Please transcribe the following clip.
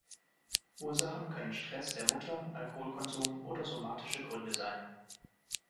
Ursachen können Stress der Mutter, Alkoholkonsum oder somatische Gründe sein.